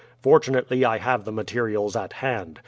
Fortunately I have the materials at hand.